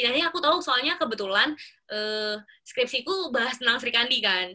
aku tau soalnya kebetulan skripsiku bahas tentang sri kandi kan